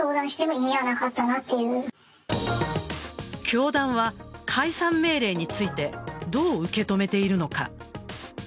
教団は解散命令についてどう受け止めているのか。